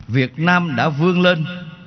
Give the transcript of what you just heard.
việt nam đã vương lên